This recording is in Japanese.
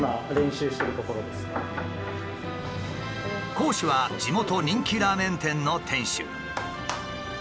講師は地元人気ラーメン店の店主。